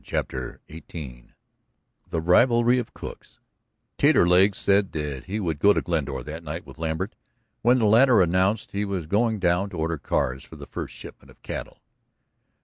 CHAPTER XVIII THE RIVALRY OF COOKS Taterleg said that he would go to Glendora that night with Lambert, when the latter announced he was going down to order cars for the first shipment of cattle.